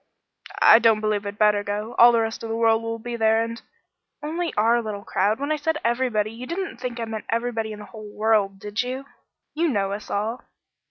"I don't believe I'd better go. All the rest of the world will be there, and " "Only our little crowd. When I said everybody, you didn't think I meant everybody in the whole world, did you? You know us all."